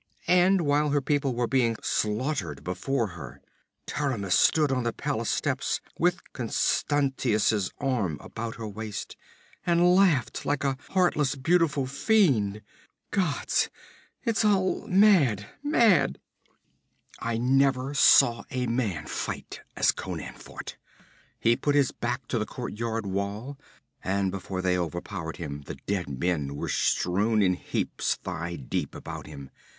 And while her people were being slaughtered before her, Taramis stood on the palace steps, with Constantius's arm about her waist, and laughed like a heartless, beautiful fiend! Gods, it's all mad mad! 'I never saw a man fight as Conan fought. He put his back to the courtyard wall, and before they overpowered him the dead men were strewn in heaps thigh deep about him.